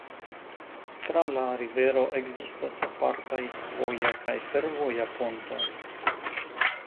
Tra la rivero ekzistas apartaj voja kaj fervoja pontoj.